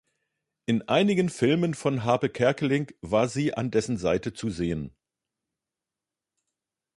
In einigen Filmen von Hape Kerkeling war sie an dessen Seite zu sehen.